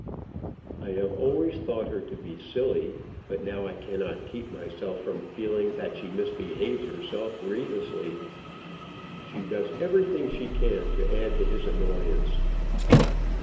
I have always thought her to be silly, but now I cannot keep myself from feeling that she misbehaves herself grievously. She does everything she can to add to his annoyance."